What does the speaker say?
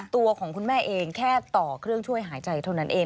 ตัวของคุณแม่เองแค่ต่อเครื่องช่วยหายใจเท่านั้นเอง